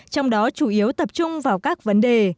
trong đó chủ yếu tập trung vào các vấn đề